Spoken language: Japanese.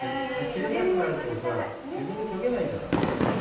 切れなくなるとさ、自分で研げないじゃない。